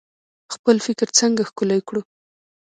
خپل فکر څنګه ښکلی کړو؟